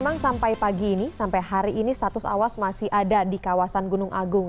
memang sampai pagi ini sampai hari ini status awas masih ada di kawasan gunung agung